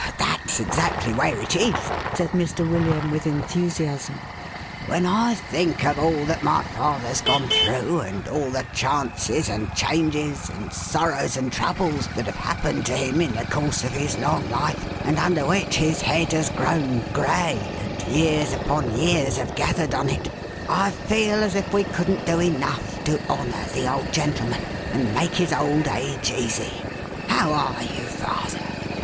But that's exactly where it is," said Mr. William, with enthusiasm. " When I think of all that my fathei 's gone through, and all the chances and changes, and sorrows and troubles, that have happened to him in the course of his long life, and under which his head has grown grey, and years upon years have gathered on it, I feel as if we couldn't do enough to honour the old gentleman, and make his old age easy. — How are you, father